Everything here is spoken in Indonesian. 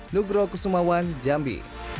nugroh kesumawan jambi